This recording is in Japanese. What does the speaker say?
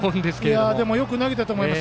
本当によく投げたと思います。